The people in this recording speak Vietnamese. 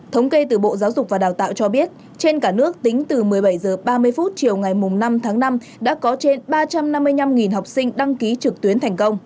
thống kê từ bộ giáo dục và đào tạo cho biết trên cả nước tính từ một mươi bảy h ba mươi chiều ngày năm tháng năm đã có trên ba trăm năm mươi năm học sinh đăng ký trực tuyến thành công